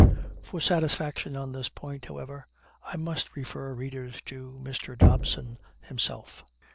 For satisfaction on this point, however, I must refer readers to Mr. Dobson himself.